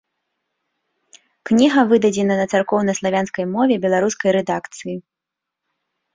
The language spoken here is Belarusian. Кніга выдадзена на царкоўна-славянскай мове беларускай рэдакцыі.